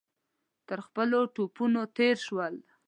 تر خپلو توپونو تېر شول.